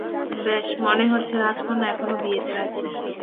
বেশ, মনে হচ্ছে রাজকন্যা এখনো বিয়েতে রাজি না।